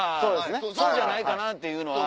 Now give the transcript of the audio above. そうじゃないかなっていうのは。